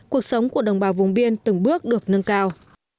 cuộc sống của đồng bào vùng biên từng bước được nâng cao